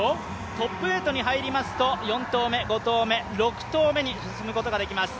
トップ８に入りますと、４投目、５投目、６投目に進むことができます。